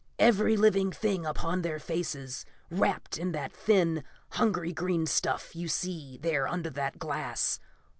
"Every living thing upon their faces, wrapped in that thin, hungry green stuff you see there under that glass.